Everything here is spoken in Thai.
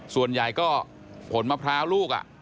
ส่วนใหญ่ก็ผลมะพร้าวลูก